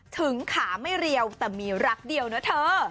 ถึงขาไม่เรียวแต่มีรักเดียวนะเธอ